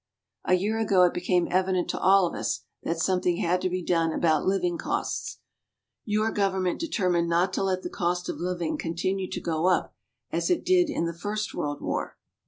A year ago it became evident to all of us that something had to be done about living costs. Your government determined not to let the cost of living continue to go up as it did in the first World War.